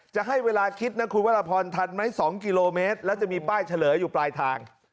จะให้เวลาคิดนะคุณวรพรทันไหม๒กิโลเมตรแล้วจะมีป้ายเฉลยอยู่ปลายทาง